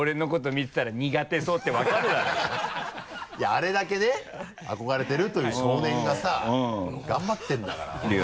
あれだけね憧れてるという少年がさ頑張ってるんだから若林さんもね。